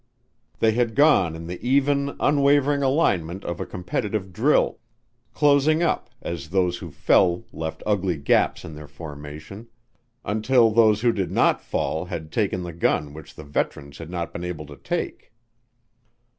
They had gone in the even unwavering alignment of a competitive drill, closing up, as those who fell left ugly gaps in their formation, until those who did not fall had taken the gun which the veterans had not been able to take.